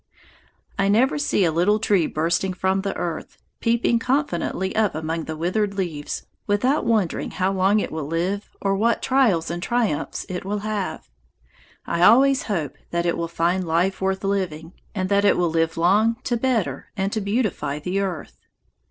I never see a little tree bursting from the earth, peeping confidently up among the withered leaves, without wondering how long it will live or what trials or triumphs it will have. I always hope that it will find life worth living, and that it will live long to better and to beautify the earth.